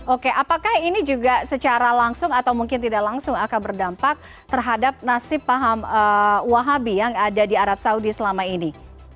oke apakah ini juga secara langsung atau mungkin tidak langsung akan berdampak terhadap nasib paham wahabi yang ada di arab saudi selama ini